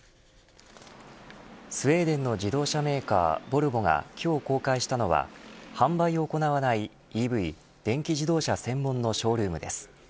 スウェーデンの自動車メーカーボルボが今日公開したのは販売を行わないＥＶ電気自動車専門のショールームです。